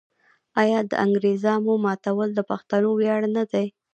آیا د انګریزامو ماتول د پښتنو ویاړ نه دی؟